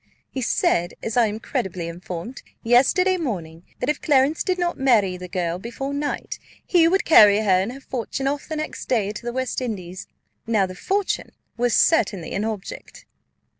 He said, as I am credibly informed, yesterday morning, that if Clarence did not marry the girl before night, he would carry her and her fortune off the next day to the West Indies. Now the fortune was certainly an object."